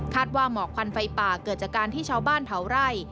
ว่าหมอกควันไฟป่าเกิดจากการที่ชาวบ้านเผาไร่